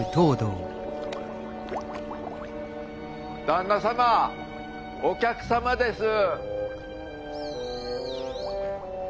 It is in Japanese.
旦那様お客様です。